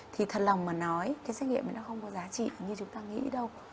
thì thật lòng mà nói cái xét nghiệm nó không có giá trị như chúng ta nghĩ đâu